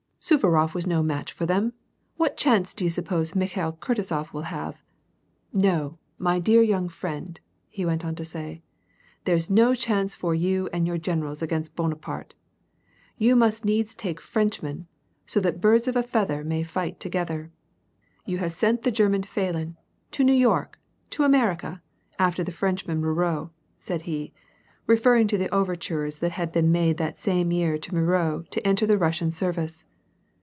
Suvarof was no match for them : what chance do you suppose Mikhail Kutuzof will have ? No, my dear young friend," he went on to say ;" there's no chance for you and your generals against Bonaparte ; you must needs take French men, so that birds of a feather may fight together. You have sent the German Pahlen, to New York, to America, after the Frenchman Moreau," said he, referring to the overtures that had been made that same year to Moreau to enter the Russian service.